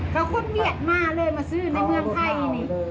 เขาก็เบียดมาเลยมาซื้อในเมืองไทยนี่